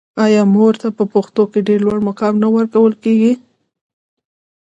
آیا مور ته په پښتنو کې ډیر لوړ مقام نه ورکول کیږي؟